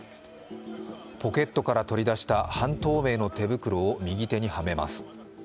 ポケットから取り出した半透明の手袋を右手につけます。